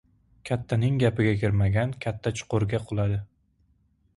• Kattaning gapiga kirmagan katta chuqurga quladi.